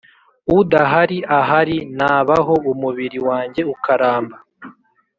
udahari ahari nabaho, umubiri wanjye ukaramba